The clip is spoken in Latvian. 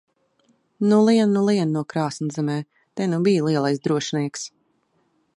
Nu, lien nu lien no krāsns zemē! Te nu bij lielais drošinieks!